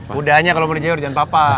kudanya kalau mau jewer jangan papa